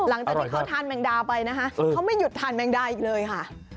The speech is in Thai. หลังจากที่เขาทานแมงดาไปนะคะเขาไม่หยุดทานแมงดาอีกเลยค่ะ